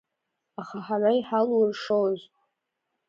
Аха ҳара иҳалуршоз!